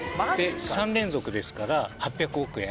３連続ですから８００億円。